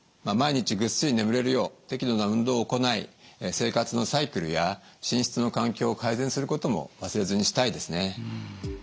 毎日ぐっすり眠れるよう適度な運動を行い生活のサイクルや寝室の環境を改善することも忘れずにしたいですね。